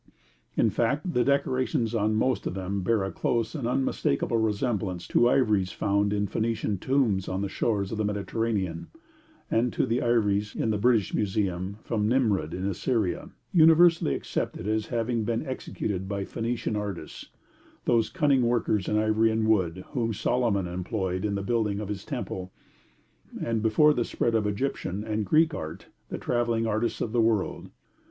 In fact, the decorations on most of them bear a close and unmistakable resemblance to ivories found in Phoenician tombs on the shores of the Mediterranean, and to the ivories in the British Museum from Nimrud in Assyria, universally accepted as having been executed by Phoenician artists: those cunning workers in ivory and wood whom Solomon employed in the building of his temple, and, before the spread of Egyptian and Greek art, the travelling artists of the world.